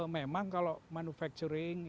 memang kalau manufacturing